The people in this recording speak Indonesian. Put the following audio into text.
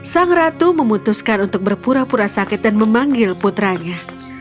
sang ratu memutuskan untuk berpura pura sakit dan memanggil putranya